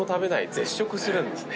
絶食するんですね。